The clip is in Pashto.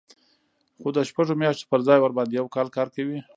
خو د شپږو میاشتو پر ځای ورباندې یو کال کار کوي